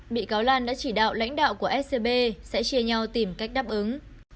bị cáo lan đã chỉ đạo lãnh đạo của scb sẽ chia nhau tìm cách đáp ứng